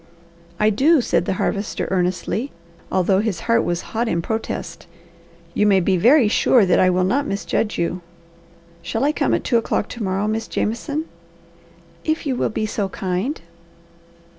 "I do," said the Harvester earnestly, although his heart was hot in protest. "You may be very sure that I will not misjudge you. Shall I come at two o'clock to morrow, Miss Jameson?" "If you will be so kind."